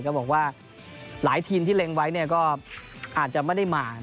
ก็บอกว่าหลายทีมที่เล็งไว้ก็อาจจะไม่ได้มา